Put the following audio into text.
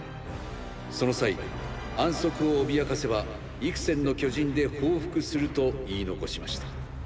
その際安息を脅かせば幾千の巨人で報復すると言い残しました。